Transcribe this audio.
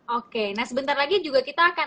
oke nah sebentar lagi juga kita akan